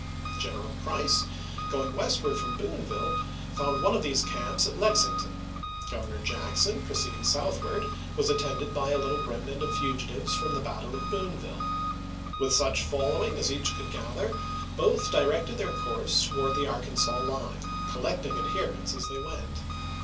General Price, going westward from Boonville, found one of these camps at Lexington ; Governor Jackson, proceeding southward, was attended by a little remnant of fugitives from the battle of Boon ville. With such following as each could gather both directed their course toward the Arkansas line, collecting adherents as they went.